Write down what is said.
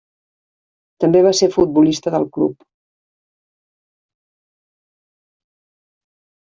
També va ser futbolista del club.